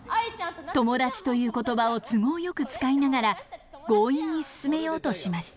友達という言葉を都合よく使いながら強引に進めようとします。